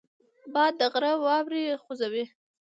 باد د غره واورې خوځوي